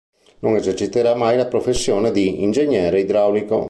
Non eserciterà mai la professione di ingegnere idraulico.